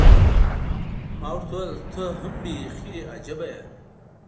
ما ورته وویل، ته هم بیخي عجيبه یې.